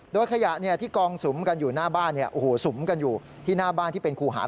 โดยขยะที่กองสุมกันอยู่หน้าบ้านสุมกันอยู่ที่หน้าบ้านที่เป็นคู่หา